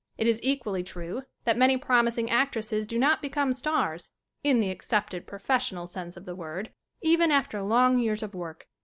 It is equally true that many promising actresses do not become stars in the accepted professional sense of the word even after long years of work.